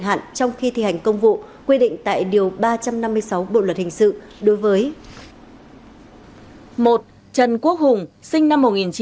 hạn trong khi thi hành công vụ quy định tại điều ba trăm năm mươi sáu bộ luật hình sự đối với một trần quốc hùng sinh